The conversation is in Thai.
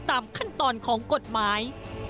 ตามขั้นตอนของกฎหมาย